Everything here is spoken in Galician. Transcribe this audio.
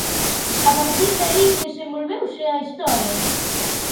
A partir de aí, desenvolveuse a historia.